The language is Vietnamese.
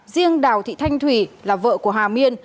riêng đào thị thanh thủy là vợ của hà miên